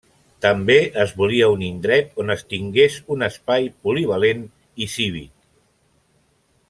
També es volia un indret on es tingués un espai polivalent i cívic.